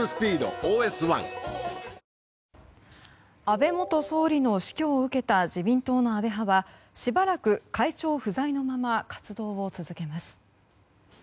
安倍元総理の死去を受けた自民党の安倍派はしばらく会長不在のまま活動を続けます。